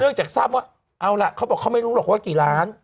เนื่องจากทราบว่าเอาล่ะความเขาไม่รู้หรอกว่ากี่ล้าน